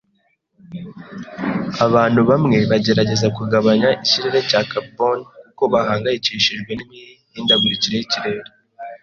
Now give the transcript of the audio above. Abantu bamwe bagerageza kugabanya ikirere cya karuboni kuko bahangayikishijwe n’imihindagurikire y’ikirere